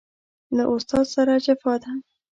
له استاد سره جفا ده